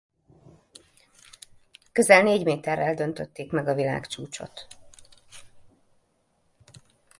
Közel négy méterrel döntötték meg a világcsúcsot.